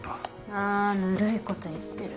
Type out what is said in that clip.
あぬるいこと言ってる。